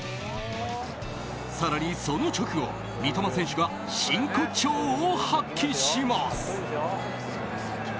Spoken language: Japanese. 更に、その直後三笘選手が真骨頂を発揮します。